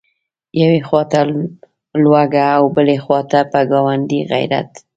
یوې خواته لوږه او بلې خواته په ګاونډي غیرت.